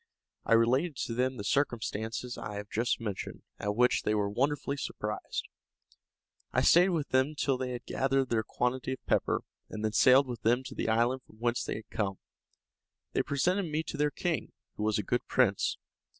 I related to them the circumstances I have just mentioned, at which they were wonderfully surprised. I stayed with them till they had gathered their quantity of pepper, and then sailed with them to the island from whence they had come. They presented me to their king, who was a good prince.